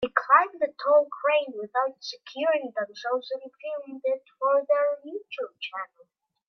They climbed a tall crane without securing themselves and filmed it for their YouTube channel.